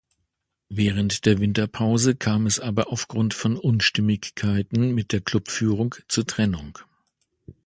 Während der Winterpause kam es aber aufgrund von Unstimmigkeiten mit der Klubführung zur Trennung.